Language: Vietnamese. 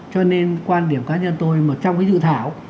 cho nên quan điểm cá nhân tôi mà trong cái dự thảo